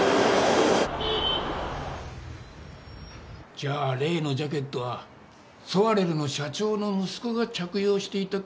じゃあ例のジャケットはソワレルの社長の息子が着用していたかもしれんのだな。